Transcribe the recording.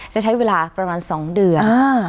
จะใช้เวลาประมาณ๒เดือน